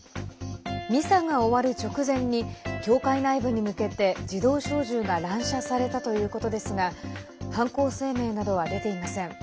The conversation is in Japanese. ミサが終わる直前に教会内部に向けて自動小銃が乱射されたということですが犯行声明などは出ていません。